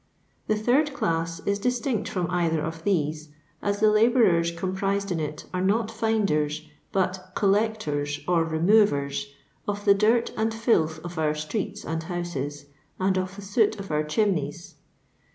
The third class is distinct from either of these, as the Ubourers comprised in it are not finders, but coUecton or rtmovtrt of the dirt and filth of our streets and houses, and of the foot of our chimneys.